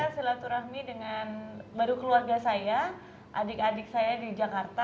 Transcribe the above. silaturahmi dengan baru keluarga saya adik adik saya di jakarta